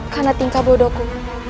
karena tingkah bodohku